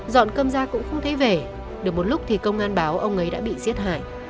dọn cơm ra cũng không thấy về được một lúc thì công an báo ông ấy đã bị giết hại